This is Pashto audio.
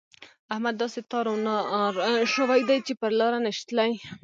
احمد داسې تار و نار شوی دی چې پر لاره نه شي تلای.